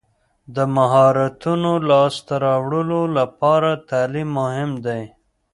د مهارتونو لاسته راوړلو لپاره تعلیم مهم دی.